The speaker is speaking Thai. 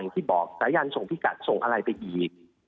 ที่บอกสายันส่งพิกัดส่งอะไรไปอีก